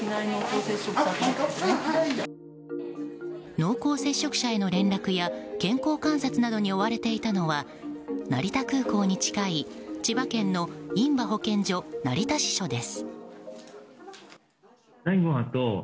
濃厚接触者への連絡や健康観察などに追われていたのは成田空港に近い千葉県の印旛保健所成田支所です。